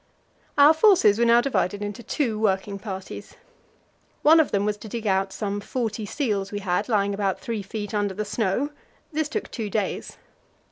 Our forces were now divided into two working parties. One of them was to dig out some forty seals we had lying about 3 feet under the snow; this took two days.